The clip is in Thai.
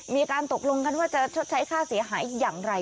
มีการตกลงกันว่าจะชดใช้ค่าเสียหายอย่างไร